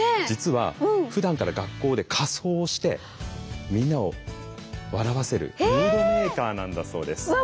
実はふだんから学校で仮装をしてみんなを笑わせるムードメーカーなんだそうです。